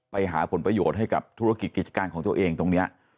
ไปหาผลประโยชน์ให้กับธุรกิจกิจการของตัวเองตรงนี้